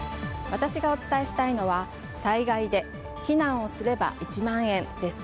私がお伝えしたいのは災害で、避難をすれば１万円です。